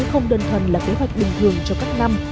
không đơn thuần là kế hoạch bình thường cho các năm